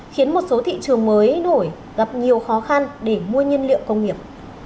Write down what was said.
khiến một số thị trường mới nổi gặp nhiều khó khăn để mua nhiên liệu công nghiệp